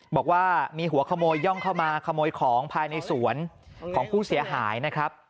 บอกว่ามีหัวขโมยย่องเข้ามาขโมยของภายในสวนของผู้เสียหายนะครับ